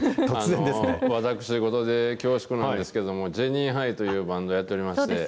私事で恐縮なんですけれども、ジェニーハイというバンドやっておりまして。